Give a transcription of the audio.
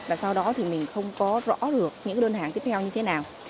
và sau đó thì mình không có rõ được những đơn hàng tiếp theo như thế nào